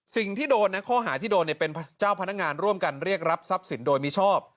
สิ่งที่โดนนะข้อหาที่โดนเป็นเจ้าพนักงานร่วมกันเรียกรับทรัพย์สินโดยมิชอบ